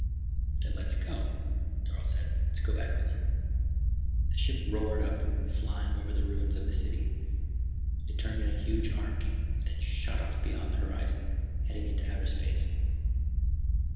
"Then let's go," Dorle said. "Let's go back home." The ship roared up, flying over the ruins of the city. It turned in a huge arc and then shot off beyond the horizon, heading into outer space.